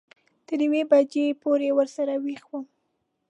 تر یوې بجې پورې ورسره وېښ وم.